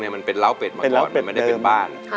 มันเป็นล้าวเป็ดมาก่อนไม่ได้เป็นบ้าน